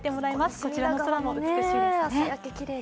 こちらの空も美しいですね。